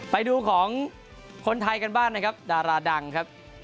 ไปดูของคนไทยกันบ้างนะครับดาราดังครับ